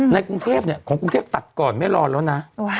ในกรุงเทพของกรุงเทพตัดก่อนไม่รอแล้วนะ